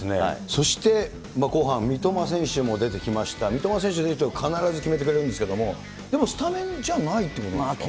そして後半、三笘選手も出てきました、三笘選手出てくると、必ず決めてくれるんですけれども、でもスタメンじゃないってことなんですか。